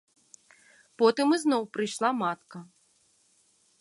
Потым ізноў прыйшла матка.